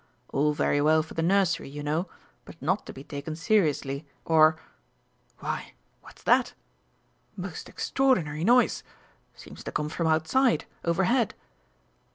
All very well for the Nursery, you know, but not to be taken seriously, or ... why, what's that? Most extraordinary noise! Seems to come from outside, overhead."